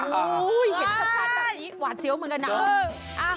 เห็นคำพันธ์แบบนี้หวานเสียวเหมือนกับน้ำ